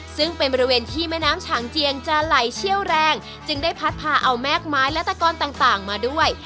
ซึ่งเป็นบริเวณที่แม่น้ำฉางเจียงจะไหลเชี่ยวแรงจึงได้พัดพาเอาแม่กไม้และตะกอนต่างมาด้วย